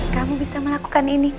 kamu bisa melakukan ini